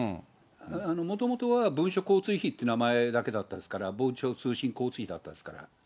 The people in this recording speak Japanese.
もともとは文書交通費って名前だけだったですから、文書通信交通費だったわけですから。